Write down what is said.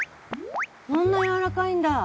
こんなやわらかいんだ。